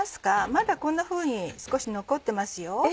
まだこんなふうに少し残ってますよ。